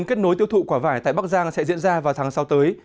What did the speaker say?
kết nối tiêu thụ quả vải tại bắc giang sẽ diễn ra vào tháng sáu tới